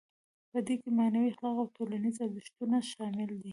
په دې کې معنوي، اخلاقي او ټولنیز ارزښتونه شامل دي.